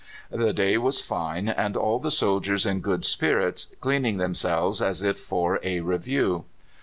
The day was fine, and all the soldiers in good spirits, cleaning themselves as if for a review.